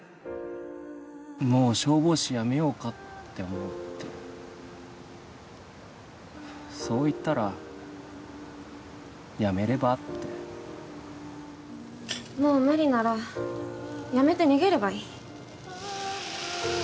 「もう消防士辞めようかって思う」ってそう言ったら「辞めれば」ってもう無理なら辞めて逃げればいい